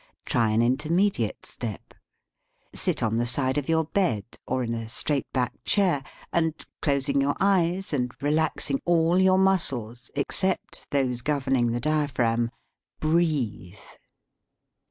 Try an intermediate step. Sit on the side of your bed, or in a straight back chair, '\ and, closing your eyes and relaxing all your \ muscles except those governing the dia phragm, breathe.